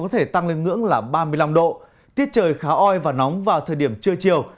tăng lên ngưỡng là ba mươi năm độ tiết trời khá oi và nóng vào thời điểm trưa chiều